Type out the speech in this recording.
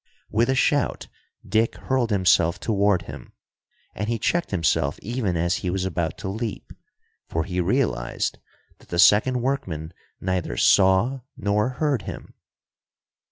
With a shout, Dick hurled himself toward him. And he checked himself even as he was about to leap. For he realized that the second workman neither saw nor heard him.